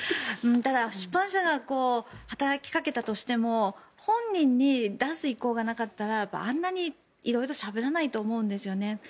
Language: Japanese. ただ出版社が働きかけたとしても本人に出す意向がなかったらあんなに色々しゃべらないと思うんですよね。